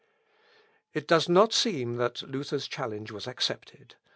It does not seem that Luther's challenge was accepted.